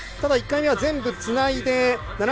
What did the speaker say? ただ１回目は全部つないで７１．７１。